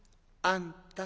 「あんた。